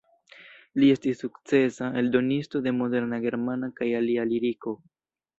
Li estis sukcesa eldonisto de moderna germana kaj alia liriko.